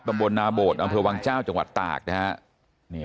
ตำบลนาโบดอำเภอวังเจ้าจังหวัดตากนะฮะ